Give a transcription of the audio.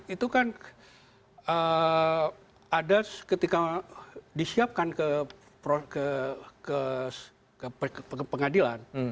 itu kan ada ketika disiapkan ke pengadilan